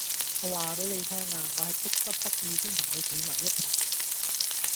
我話俾你聽啊，我係逼不得已先同你企埋一齊